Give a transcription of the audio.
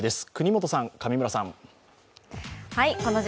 國本さん、上村さん。